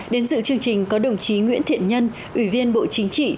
đến dự chương trình có đồng chí nguyễn thiện nhân ủy viên bộ chính trị